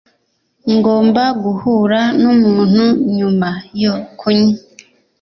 Ngomba guhura numuntu nyuma yo kunywa.